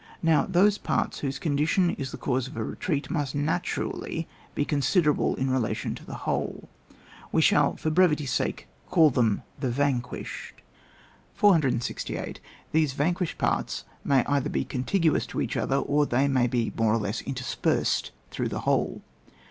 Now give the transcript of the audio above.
Now those parts whose condition is the cause of a retreat, must naturally be considerable in relation to the whole ; we shall for brevity sake call them the vanquished, 468. These vanquished parts may either be contiguous to each other, or they may be more or less interspersed through the whole.